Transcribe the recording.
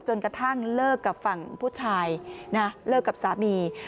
กระทั่งเลิกกับฝั่งผู้ชายนะเลิกกับสามี